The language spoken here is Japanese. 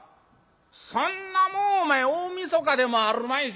「そんなもんお前大晦日でもあるまいし。